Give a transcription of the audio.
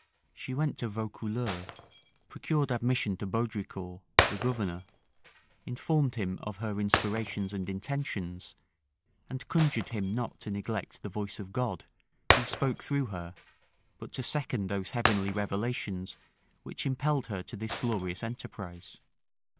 She went to Vaucouleurs; procured admission to Baudricourt, the governor; informed him of her inspirations and intentions; and conjured him not to neglect the voice of God, who spoke through her, but to second those heavenly revelations which impelled her to this glorious enterprise.